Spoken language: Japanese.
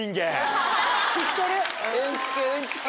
知ってる！